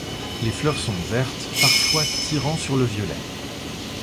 Les fleurs sont vertes, parfois tirant sur le violet.